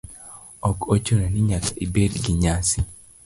Ok ochuno ni nyaka ibed gi nyasi.